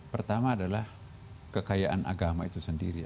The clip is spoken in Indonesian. pertama adalah kekayaan agama itu sendiri